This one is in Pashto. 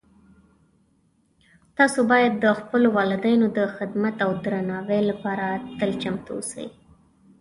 تاسو باید د خپلو والدینو د خدمت او درناوۍ لپاره تل چمتو اوسئ